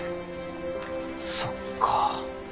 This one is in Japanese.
そっか。